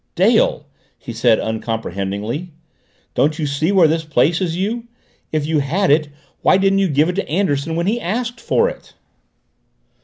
"Dale!" he said uncomprehendingly, "don't you see where this places you? If you had it, why didn't you give it to Anderson when he asked for it?"